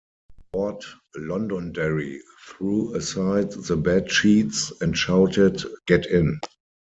Lord Londonderry threw aside the bed-sheets and shouted, Get in.